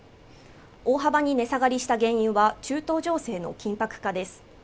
大幅に値下がりした原因は中東情勢の緊迫化です